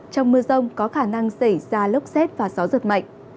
trong mưa rông có khả năng xảy ra lốc xét và gió giật mạnh